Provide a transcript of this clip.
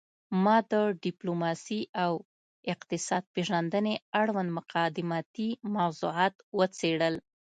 ما د ډیپلوماسي او اقتصاد پیژندنې اړوند مقدماتي موضوعات وڅیړل